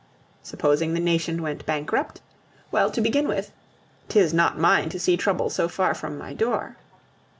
Supposing the nation went bankrupt? Well, to begin with: 'Tis not mine to see trouble so far from my door.